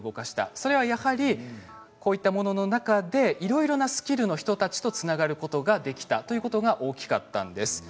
それはやはりいろいろなスキルの人たちとつながることができたことが大きかったんです。